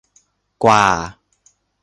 กว่า